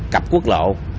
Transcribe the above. cặp quốc lộ